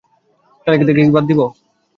তালিকা থেকে কী বাদ দিব?